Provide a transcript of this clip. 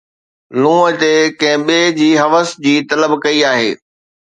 لُونءَ تي ڪنهن ٻئي جي حوس جي طلب ڪئي آهي